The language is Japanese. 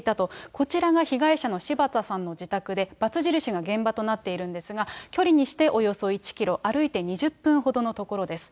こちらが被害者の柴田さんの自宅で、バツ印が現場となっているんですが、距離にしておよそ１キロ、歩いて２０分ほどの所です。